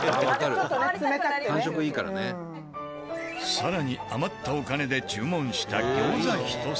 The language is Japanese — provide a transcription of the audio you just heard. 更に余ったお金で注文した餃子１皿。